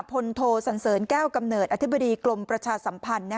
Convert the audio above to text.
โทสันเสริญแก้วกำเนิดอธิบดีกรมประชาสัมพันธ์